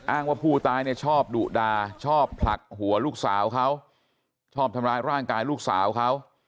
ว่าผู้ตายเนี่ยชอบดุดาชอบผลักหัวลูกสาวเขาชอบทำร้ายร่างกายลูกสาวเขา